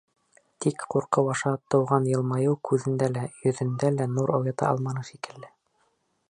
Тик ҡурҡыу аша тыуған йылмайыу күҙендә лә, йөҙөндә лә нур уята алманы шикелле.